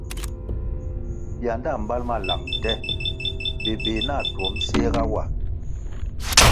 Bianda mbal ma lang nte bébéh na tuom séhga wa.